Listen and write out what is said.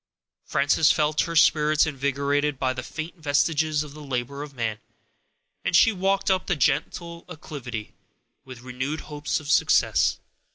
Frances felt her spirits invigorated by these faint vestiges of the labor of man, and she walked up the gentle acclivity with renewed hopes of success.